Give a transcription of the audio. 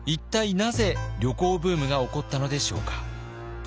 なぜ旅行ブームが起こったのでしょうか。